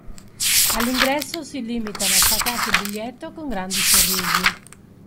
All'ingresso si limitano a staccarti il biglietto con grandi sorrisi.